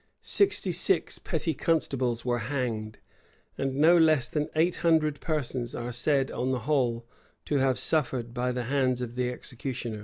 Sixty six petty constables were hanged;[] and no less than eight hundred persons are said, on the whole, to have suffered by the hands of the executioner.